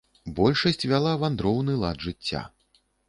Большасць вяла вандроўны лад жыцця.